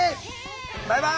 バイバイ！